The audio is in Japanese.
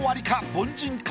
凡人か？